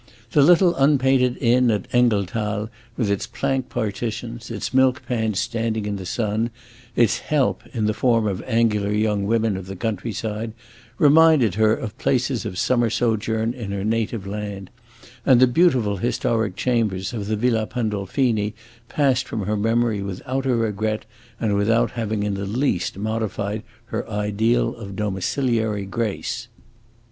The little unpainted inn at Engelthal, with its plank partitions, its milk pans standing in the sun, its "help," in the form of angular young women of the country side, reminded her of places of summer sojourn in her native land; and the beautiful historic chambers of the Villa Pandolfini passed from her memory without a regret, and without having in the least modified her ideal of domiciliary grace.